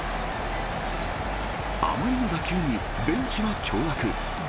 あまりの打球に、ベンチは驚がく。